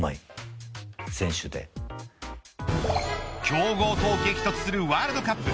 強豪と激突するワールドカップ。